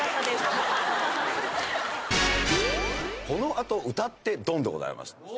このあと歌ってドン！でございます。